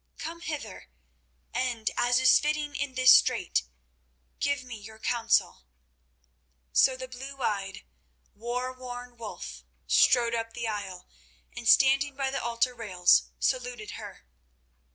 Come hither, and, as is fitting in this strait, give me your counsel." So the grey eyed, war worn Wulf strode up the aisle, and, standing by the altar rails, saluted her.